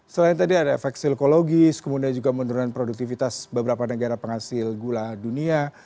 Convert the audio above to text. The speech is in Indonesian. selain tadi ada efek psikologis kemudian juga menurunkan produktivitas beberapa negara penghasil gula dunia